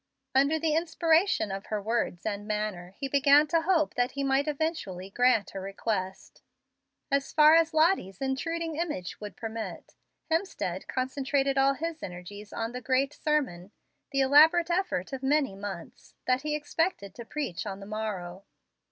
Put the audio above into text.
Under the inspiration of her words and manner he began to hope that he might eventually grant her request. As far as Lottie's intruding image would permit, Hemstead concentrated all his energies on the great sermon, the elaborate effort of many months, that he expected to preach on the morrow.